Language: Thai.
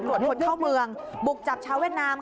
คนเข้าเมืองบุกจับชาวเวียดนาม